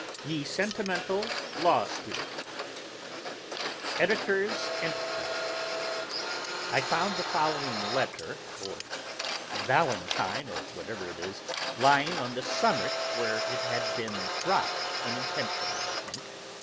YE SENTIMENTAL LAW STUDENT EDS. ENTERPRISE I found the following letter, or Valentine, or whatever it is, lying on the summit, where it had been dropped unintentionally, I think.